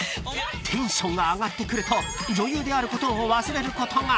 ［テンションが上がってくると女優であることを忘れることが］